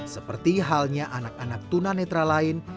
seperti halnya anak anak tuna netra lain